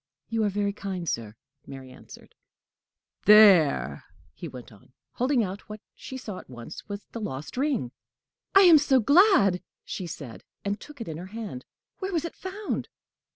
"You are very kind, sir," Mary answered. "There!" he went on, holding out what she saw at once was the lost ring. "I am so glad!" she said, and took it in her hand. "Where was it found?"